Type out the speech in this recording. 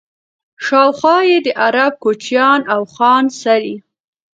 شاوخوا یې د عرب کوچیانو اوښان څري.